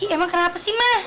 emang kenapa sih ma